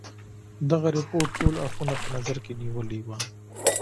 دغه رپوټ ټول اړخونه په نظر کې نیولي وه.